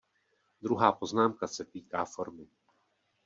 Druhá poznámka se týká formy.